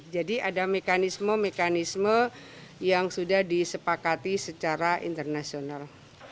jadi ada mekanisme mekanisme yang sudah disepakati secara internasional